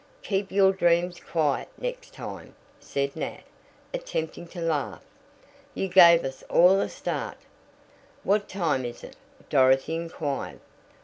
"Keep your dreams quiet next time," said Nat, attempting to laugh. "You gave us all a start." "What time is it?" Dorothy inquired.